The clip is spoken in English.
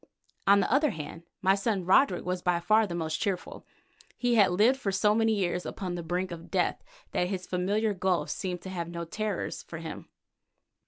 On the other hand, my son Roderick was by far the most cheerful. He had lived for so many years upon the brink of death that this familiar gulf seemed to have no terrors for him.